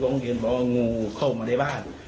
ผมเห็นบอกว่างูเข้ามาในบ้าน